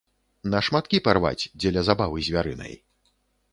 На шматкі парваць, дзеля забавы звярынай.